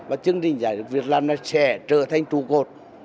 và chương trình giải quyết việc làm sẽ trở thành trụ cột